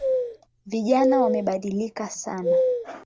Vijana wamebadilika sana